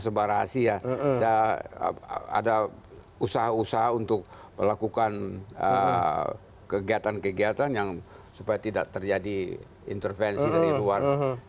saya tidak sebarasi ya ada usaha usaha untuk melakukan kegiatan kegiatan yang supaya tidak terjadi intervensi dari luar